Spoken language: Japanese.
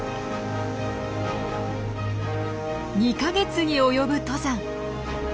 ２か月に及ぶ登山。